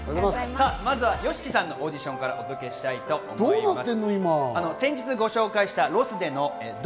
まずはＹＯＳＨＩＫＩさんのオーディションからお届けします。